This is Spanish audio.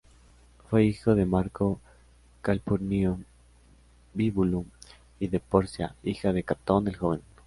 Fue hijo de Marco Calpurnio Bíbulo y de Porcia, hija de Catón el Joven.